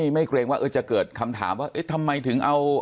เกรงว่าจะเกิดคำถามว่าเอ๊ะทำไมถึงเอา